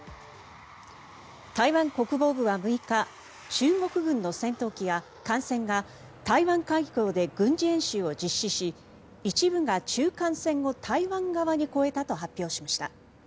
台湾国防部は６日中国軍の戦闘機や艦船が台湾海峡で軍事演習を実施し一部が中間線を台湾側に越えたと発表しました。